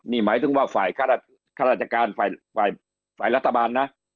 นี่หมายถึงว่าฝ่ายข้าราชการฝ่ายรัฐบาลนะ